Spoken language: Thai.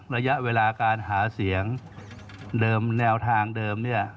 ระยะเวลาการหาเสียงเดิมแนวทางเดิมเนี่ย